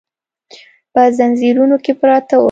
په ځنځیرونو کې پراته ول.